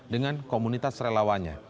dengan komunitas relawannya